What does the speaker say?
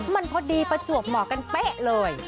มันพอดีประจวบเหมาะกันเป๊ะเลย